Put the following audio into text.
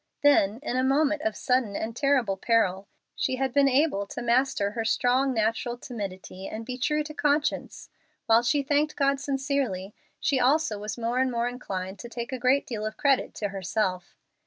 Then, in a moment of sudden and terrible peril, she had been able to master her strong natural timidity, and be true to conscience, and while she thanked God sincerely, she also was more and more inclined to take a great deal of credit to herself.